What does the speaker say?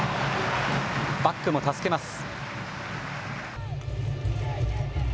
バックも助けます。